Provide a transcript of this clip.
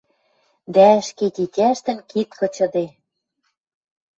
Дӓ, ӹшке тетяшятӹн кид кычыде